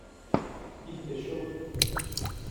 il fait chaud.